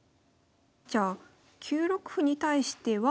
じゃあ９六歩に対しては。